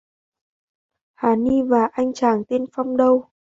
Hà ni và anh chàng tên phong đâu